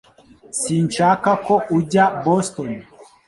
Sinshaka ko ujya Boston